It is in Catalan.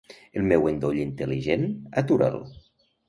El meu endoll intel·ligent, atura'l.